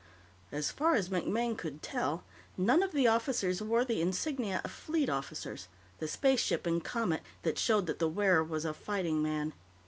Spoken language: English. As far as MacMaine could tell, none of the officers wore the insignia of fleet officers, the spaceship and comet that showed that the wearer was a fighting man.